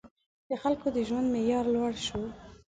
• د خلکو د ژوند معیار لوړ شو.